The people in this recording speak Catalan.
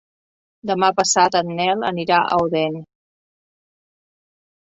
Demà passat en Nel anirà a Odèn.